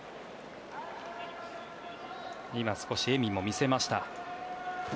今、少し笑みも見せました。